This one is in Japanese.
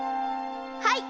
はい。